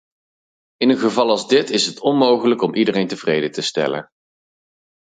In een geval als dit is het onmogelijk om iedereen tevreden te stellen.